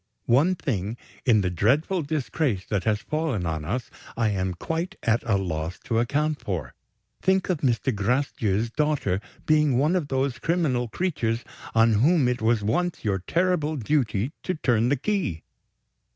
One thing, in the dreadful disgrace that has fallen on us, I am quite at a loss to account for. Think of Mr. Gracedieu's daughter being one of those criminal creatures on whom it was once your terrible duty to turn the key!